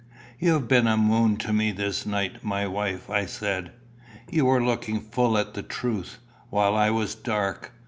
"You have been a moon to me this night, my wife," I said. "You were looking full at the truth, while I was dark.